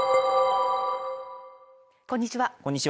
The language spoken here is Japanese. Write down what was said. こんにちは